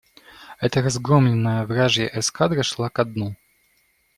Это разгромленная вражья эскадра шла ко дну.